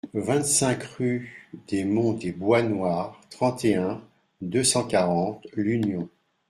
vingt-cinq rUE DES MONTS DES BOIS NOIRS, trente et un, deux cent quarante, L'Union